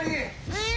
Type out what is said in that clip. うん？